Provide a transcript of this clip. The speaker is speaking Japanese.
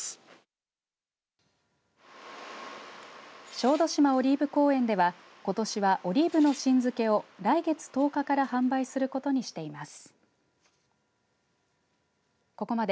小豆島オリーブ公園ではことしはオリーブの新漬けを来月１０日から販売することにしています。